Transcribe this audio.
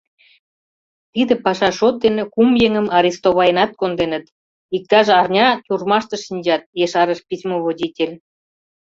— Тиде паша шот дене кум еҥым арестоваенат конденыт, иктаж арня тюрьмаште шинчат, — ешарыш письмоводитель.